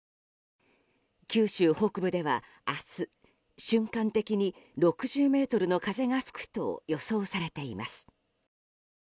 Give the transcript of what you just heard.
九州北部では明日、瞬間的に６０メートルの風が吹くと予想されています。